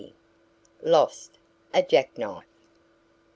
XX LOST A JACKKNIFE!